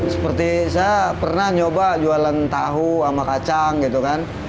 seperti saya pernah nyoba jualan tahu sama kacang gitu kan